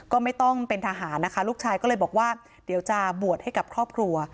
ก็ไม่ต้องเป็นทหารนะคะลูกชายก็เลยบอกว่าเดี๋ยวจะบวชให้กับครอบครัว